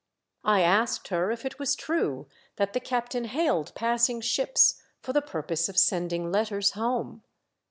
I asked her if it was true that the captain hailed passing ships for the purpose of send ing letters home.